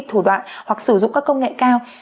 thủ đoạn hoặc sử dụng các công nghệ cao